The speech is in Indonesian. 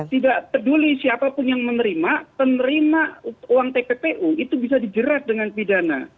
tidak peduli siapapun yang menerima penerima uang tppu itu bisa dijerat dengan pidana